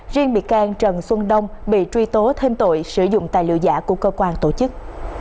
riêng bị can trần xuân đông bị truy tố thêm tội sử dụng tài liệu giả của cơ quan tổ chức